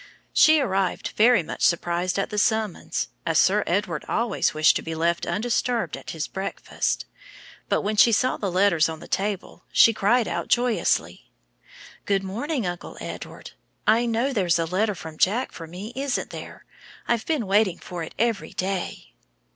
She arrived very surprised at the summons, as Sir Edward always wished to be left undisturbed at his breakfast, but when she saw the letters on the table she cried out joyously, "Good morning, Uncle Edward. I know there's a letter from Jack for me, isn't there? I've been waiting for it every day."